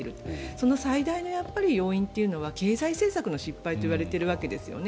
その最大の要因というのは経済政策の失敗といわれているわけですよね。